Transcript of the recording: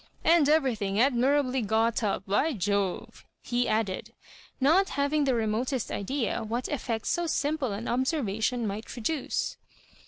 « And everything admirably got up, by Jove I" he add ed ; not having the remotest idea what effectso simple an observation might produce.